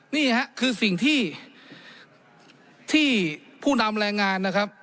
นี่ฮะคือสิ่งที่ผู้นำแรงงานนะครับ